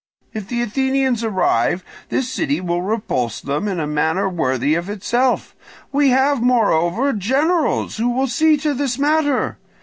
If the Athenians arrive, this city will repulse them in a manner worthy of itself; we have moreover, generals who will see to this matter.